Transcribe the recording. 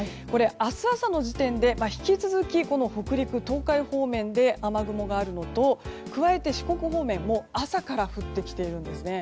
明日朝の時点で引き続き、北陸・東海方面で雨雲があるのと加えて四国方面は朝から降ってきているんです。